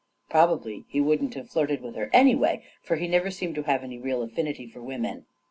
Probably he wouldn't have flirted with her anyway, for he never seemed to have any real affinity for women.